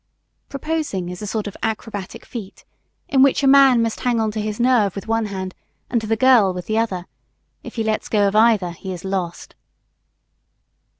Proposing is a sort of acrobatic feat, in which a man must hang on to his nerve with one hand and to the girl with the other. If he lets go of either, he is lost.